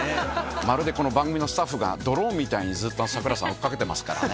まるでこの番組のスタッフが、ドローンみたいに、ずっと櫻井さん、追っかけてますからね。